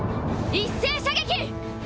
一斉射撃！